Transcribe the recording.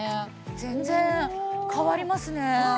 全然変わりますね！